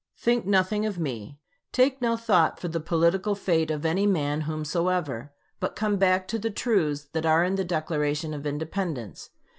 Think nothing of me take no thought for the political fate of any man whomsoever but come back to the truths that are in the Declaration of Independence.